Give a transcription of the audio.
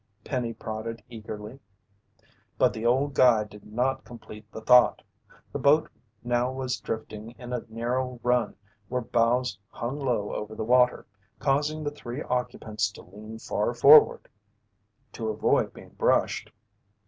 Penny prodded eagerly. But the old guide did not complete the thought. The boat now was drifting in a narrow run where boughs hung low over the water, causing the three occupants to lean far forward to avoid being brushed.